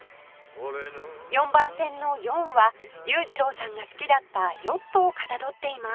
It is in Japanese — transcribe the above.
４番線の「４」は裕次郎さんが好きだったヨットをかたどっています